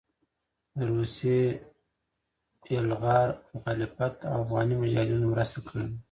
د روسي يلغار مخالفت او افغاني مجاهدينو مرسته کړې وه